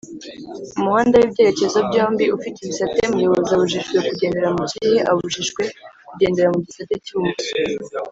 mumuhanda wibyerekezo byombi ufite ibisate muyobozi abujijwe kugendera mukihe?abujijwe kugendera mugisate cy’ibumoso